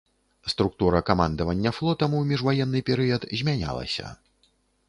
Структура камандавання флотам у міжваенны перыяд змянялася.